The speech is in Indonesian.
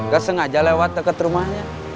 gak sengaja lewat deket rumahnya